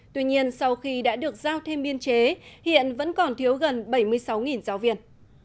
tuy nhiên sau khi đã được giao thêm biên chế hiện vẫn còn thiếu gần bảy mươi sáu giáo viên